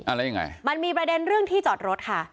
แล้วยังไงมันมีประเด็นเรื่องที่จอดรถค่ะ